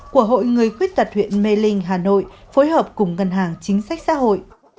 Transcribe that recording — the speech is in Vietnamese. của hội người khuyết tật huyện mê linh hà nội phối hợp cùng ngân hàng chính sách xã hội